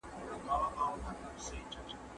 هګۍ د ډېرو خلکو لپاره خوندي دي.